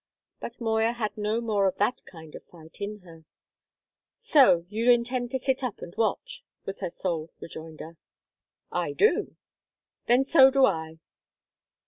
But Moya had no more of that kind of fight in her. "So you intend to sit up and watch?" was her sole rejoinder. "I do." "Then so do I!"